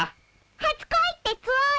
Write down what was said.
初恋ってつおい？